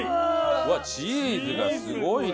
チーズがすごいね！